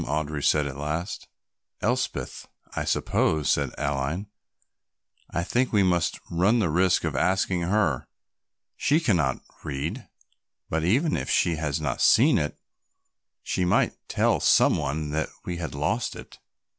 Audry said at last. "Elspeth, I suppose," said Aline. "I think we must run the risk of asking her. She cannot read, but even if she has not seen it, she might tell some one that we had lost it.